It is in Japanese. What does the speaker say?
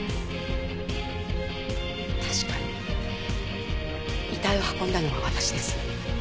確かに遺体を運んだのは私です。